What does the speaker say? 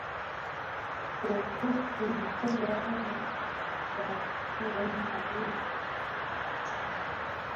wongofu mkubwa wa vurugu malezi ya maafisa